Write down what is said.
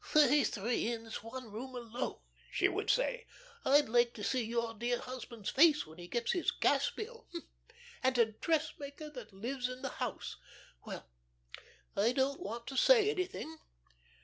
"Thirty three in this one room alone," she would say. "I'd like to see your dear husband's face when he gets his gas bill. And a dressmaker that lives in the house.... Well, I don't want to say anything."